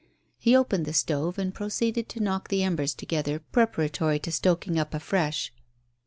He opened the stove and proceeded to knock the embers together preparatory to stoking up afresh.